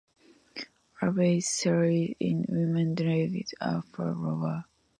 Average salaries in women's leagues are far lower.